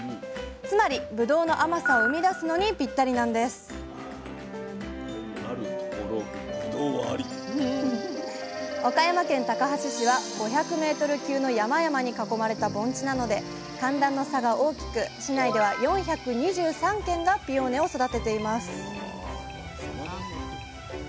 つまりぶどうの甘さを生み出すのにピッタリなんです岡山県高梁市は５００ｍ級の山々に囲まれた盆地なので寒暖の差が大きく市内では４２３軒がピオーネを育てています